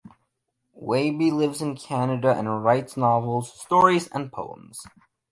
Weibe lives in Canada and writes novels, stories and poems.